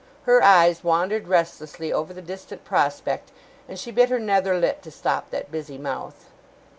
Her eyes wandered restlessly over the distant prospect, and she bit her nether lip to stop that busy mouth.